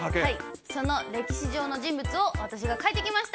その歴史上の人物を私が描いてきました。